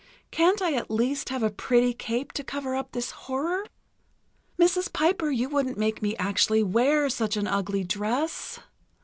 Can't I at least have a pretty cape to cover up this horror?" "Mrs. Piper, you wouldn't make me actually wear such an ugly dress!"